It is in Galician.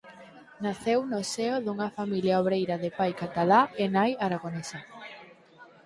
Naceu no seo dunha familia obreira de pai catalá e nai aragonesa.